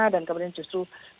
dan kemudian justru digunakan